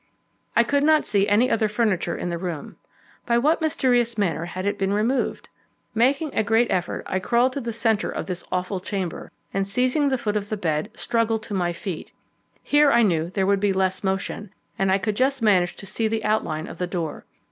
I could not see any other furniture in the room. By what mysterious manner had it been removed? Making a great effort, I crawled to the centre of this awful chamber, and, seizing the foot of the bed, struggled to my feet. Here I knew there would be less motion, and I could just manage to see the outline of the door.